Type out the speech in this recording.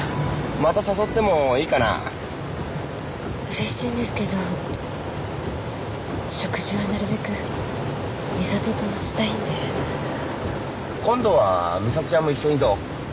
また誘ってもいいかなうれしいんですけど食事はなるべく美里としたいんで今度は美里ちゃんも一緒にどう？